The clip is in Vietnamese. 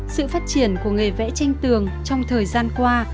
sự phát triển của nghề vẽ tranh tường trong thời gian qua